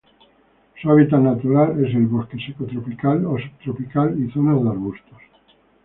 Su hábitat natural es el bosque seco tropical o subtropical y zonas de arbustos.